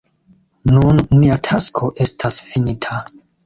Nun nia tasko estas finita.